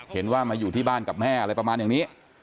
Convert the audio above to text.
เห็นว่ามาอยู่ที่บ้านกับแม่อะไรประมาณอย่างนี้